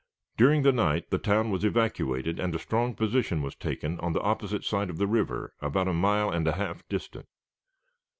During the night the town was evacuated, and a strong position was taken on the opposite side of the river, about a mile and a half distant.